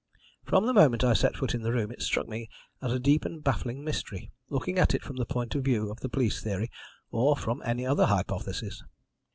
From the moment I set foot in the room it struck me as a deep and baffling mystery, looking at it from the point of view of the police theory or from any other hypothesis.